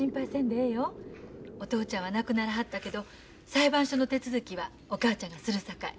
お父ちゃんは亡くならはったけど裁判所の手続きはお母ちゃんがするさかい。